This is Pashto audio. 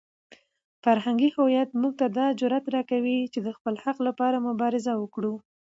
فرهنګي هویت موږ ته دا جرئت راکوي چې د خپل حق لپاره مبارزه وکړو.